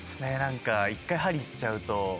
１回はり行っちゃうと。